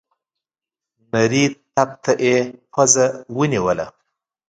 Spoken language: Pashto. نري تپ ته يې پزه ونيوله.